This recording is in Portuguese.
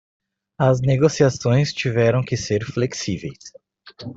As negociações tiveram que ser flexíveis.